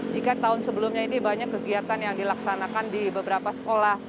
jika tahun sebelumnya ini banyak kegiatan yang dilaksanakan di beberapa sekolah